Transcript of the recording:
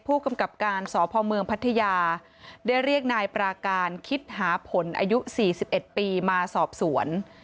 ผู้กำกับการสพเมืองพัทยาได้เรียกนายปราการคิดหาผลอายุ๔๑ปีมาสอบสวน